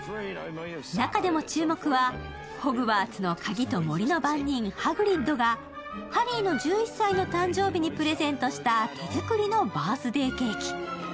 中でも注目はホグワーツの鍵と森の番人、ハグリッドがハリーの１１歳の誕生日にプレゼントした手作りのバースデーケーキ。